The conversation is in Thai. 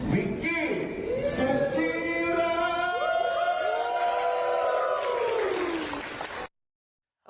วิกกี้สุดที่รัก